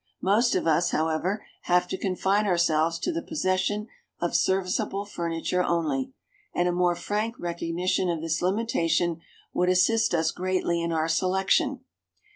Most of us, however, have to confine ourselves to the possession of serviceable furniture only; and a more frank recognition of this limitation would assist us greatly in our selection.